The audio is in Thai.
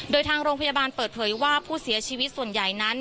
โดยทางโรงพยาบาลเปิดเผยว่าผู้เสียชีวิตส่วนใหญ่นั้น